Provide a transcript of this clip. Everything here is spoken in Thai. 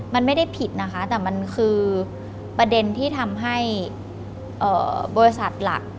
มันไม่ได้ผิดนะคะแต่มันคือประเด็นที่ทำให้บริษัทหลัก